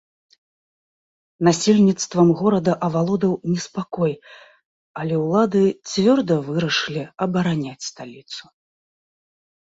Насельніцтвам горада авалодаў неспакой, але ўлады цвёрда вырашылі абараняць сталіцу.